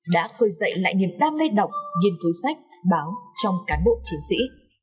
đã khơi dậy lại niềm đam mê đọc nghiên cứu sách báo trong cán bộ chiến sĩ